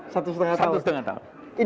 satu setengah tahun